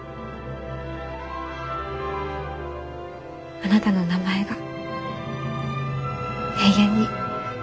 あなたの名前が永遠に。